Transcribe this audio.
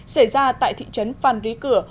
xảy ra tại thị trấn phan rí cửa